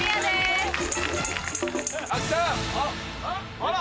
あら。